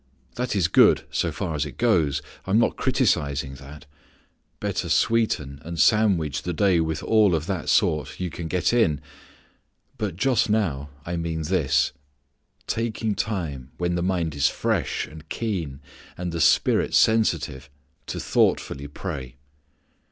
That is good so far as it goes. I am not criticising that. Better sweeten and sandwich the day with all of that sort you can get in. But just now I mean this: taking time when the mind is fresh and keen, and the spirit sensitive, to thoughtfully pray.